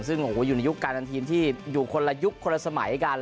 ซึ่งโอ้โหอยู่ในยุคการันทีมที่อยู่คนละยุคคนละสมัยกัน